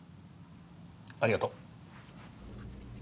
ありがとう。